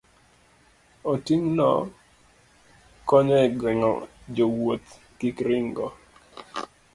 Oting'no konyo e geng'o jowuoth kik ringo